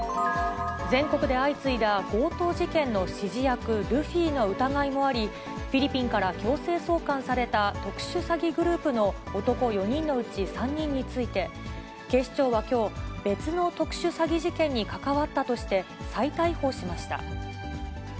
全国で相次いだ強盗事件の指示役、ルフィの疑いもあり、フィリピンから強制送還された、特殊詐欺グループの男４人のうち３人について、警視庁はきょう、別の特殊詐欺事件に関わったとして再逮捕しました。